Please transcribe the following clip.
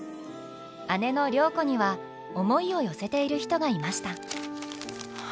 姉の良子には思いを寄せている人がいました。